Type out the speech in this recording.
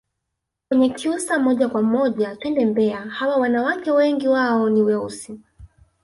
Wanyakyusa moja kwa moja twende mbeya hawa wanawake wengi wao ni weusi